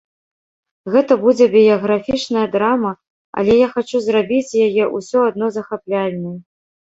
Гэта будзе біяграфічная драма, але я хачу зрабіць яе ўсё адно захапляльнай.